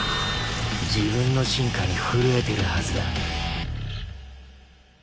自分の進化に奮えてるはずだ。